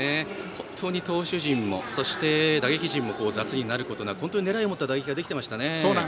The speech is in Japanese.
本当に投手陣も打撃陣も雑になることなく本当に狙いを持った打撃ができていましたね。